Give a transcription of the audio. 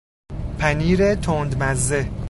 پنیر تندمزه